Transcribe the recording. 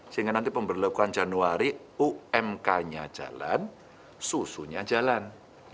sehingga nanti pemberlakuan januari umk nya jalan susunya jalan